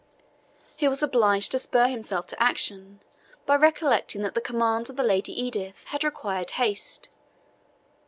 He was obliged to spur himself to action by recollecting that the commands of the Lady Edith had required haste.